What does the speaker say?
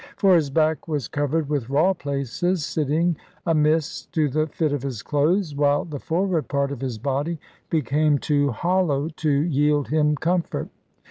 For his back was covered with raw places sitting amiss to the fit of his clothes, while the forward part of his body became too hollow to yield him comfort.